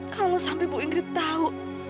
kalau sampai ibu ingrid tahu